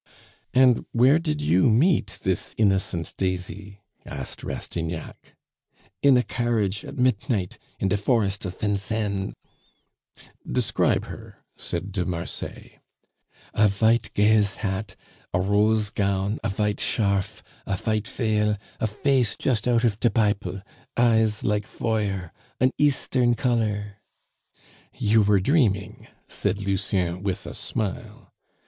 "And where did you meet this innocent daisy?" asked Rastignac. "In a carriage, at mitnight, in de forest of Fincennes." "Describe her," said de Marsay. "A vhite gaze hat, a rose gown, a vhite scharf, a vhite feil a face just out of de Biple. Eyes like Feuer, an Eastern color " "You were dreaming," said Lucien, with a smile.